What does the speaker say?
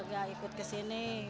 ya ikut kesini